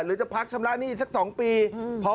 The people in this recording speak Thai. หรือจะพักชำระหนี้สัก๒ปี